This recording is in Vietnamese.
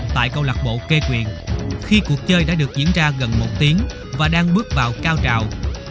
tại câu lạc bộ kê quyền khi cuộc chơi đã được diễn ra gần một tiếng và đang bước vào cao trào